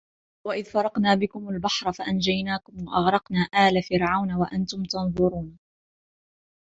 وَإِذْ فَرَقْنَا بِكُمُ الْبَحْرَ فَأَنْجَيْنَاكُمْ وَأَغْرَقْنَا آلَ فِرْعَوْنَ وَأَنْتُمْ تَنْظُرُونَ